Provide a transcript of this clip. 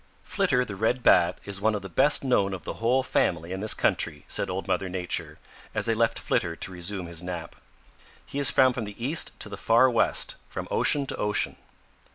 "Flitter the Red Bat is one of the best known of the whole family in this country," said Old Mother Nature, as they left Flitter to resume his nap. He is found from the East to the Far West, from ocean to ocean.